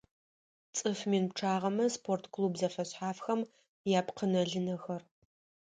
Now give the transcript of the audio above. ЦӀыф мин пчъагъэмэ спорт клуб зэфэшъхьафхэм япкъынэ-лынэхэр